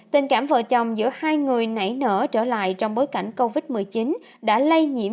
tình cảm vợ chồng giữa hai người nảy nở trở lại trong bối cảnh covid một mươi chín đã lây nhiễm